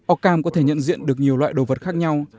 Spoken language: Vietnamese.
orcam có thể nhận diện được nhiều loại đồ vật khác nhau